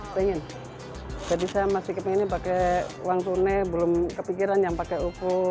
pengen jadi saya masih kepengennya pake uang tunai belum kepikiran yang pake ufo